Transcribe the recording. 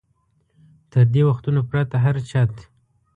تر دې وختونو پرته هر چت.